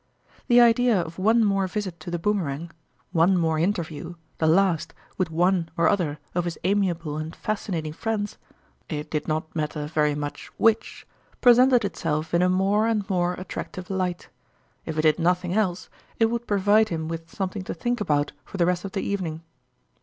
The idea of one more visit to the Boomer 67 an g on e more interview, the last, with one or other of his amiable and fascinating friends it did not matter very much which pre sented itself in a more and more attractive light. If it did nothing else, it would provide him with something to think about for the rest of the evening.